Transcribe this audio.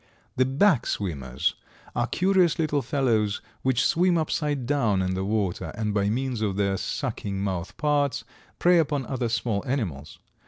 The Back swimmers are curious little fellows which swim upside down in the water, and by means of their sucking mouth parts, prey upon other small animals.